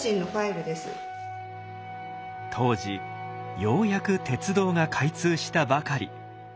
当時ようやく鉄道が開通したばかり。